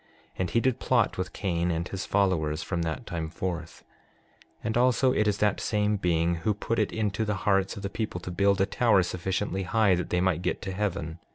And he did plot with Cain and his followers from that time forth. 6:28 And also it is that same being who put it into the hearts of the people to build a tower sufficiently high that they might get to heaven.